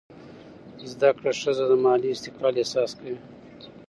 زده کړه ښځه د مالي استقلال احساس کوي.